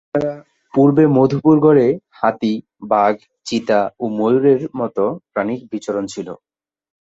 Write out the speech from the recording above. এছাড়া, পূর্বে মধুপুর গড়ে হাতি, বাঘ, চিতা ও ময়ূরের মত প্রাণীর বিচরণ ছিল।